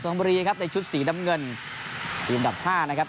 สลมพอรีนะครับในชุดสีดำเงินหลุมดับห้านะครับ